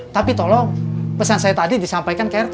tapi tolong pesan saya tadi disampaikan ke rt